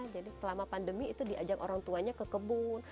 jadi selama pandemi itu diajak orang tuanya ke kebun